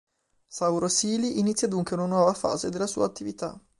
Sauro Sili inizia dunque una nuova fase della sua attività.